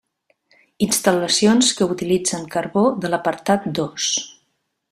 Instal·lacions que utilitzen carbó de l'apartat dos.